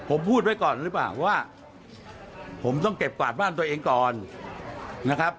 ผมพูดไว้ก่อนหรือเปล่าว่าผมต้องเก็บกวาดบ้านตัวเองก่อนนะครับ